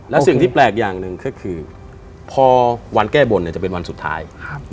และสิ่งที่แปลกอย่างหนึ่งก็คือพอวันแก้บนเนี่ยจะเป็นวันสุดท้าย